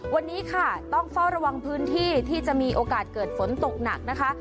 วันนี้ค่ะต้องเฝ้าระวังพื้นที่ที่จะมีโอกาสเกิดฝนตกหนักนะคะ